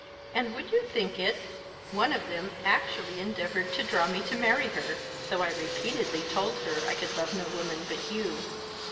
And would you think it? one of them actually endeavoured to draw me to marry her; though I repeatedly told her I could love no woman but you.